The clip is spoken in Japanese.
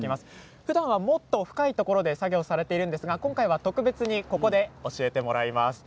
ふだんはもっと深いところで作業されていますが今日は特別にここで教えていただきます。